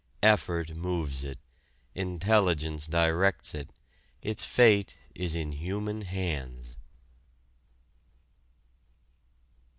Effort moves it, intelligence directs it; its fate is in human hands.